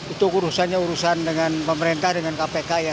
itu urusannya urusan dengan pemerintah dengan kpk ya